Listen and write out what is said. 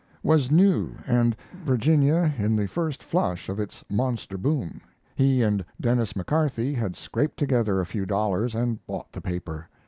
] was new and Virginia in the first flush of its monster boom, he and Denis McCarthy had scraped together a few dollars and bought the paper.